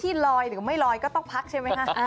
ลอยหรือไม่ลอยก็ต้องพักใช่ไหมฮะ